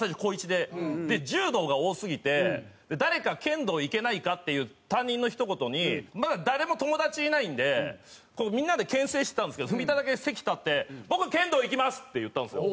で柔道が多すぎて「誰か剣道行けないか？」っていう担任のひと言にまだ誰も友達いないんでみんなで牽制してたんですけど文田だけ席立って「僕剣道行きます！」って言ったんですよ。